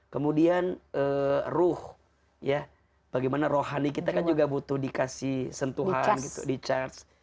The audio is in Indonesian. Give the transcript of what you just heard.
kemudian ruh bagaimana rohani kita kan juga butuh dikasih sentuhan gitu